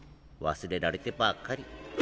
忘れられてばっかり。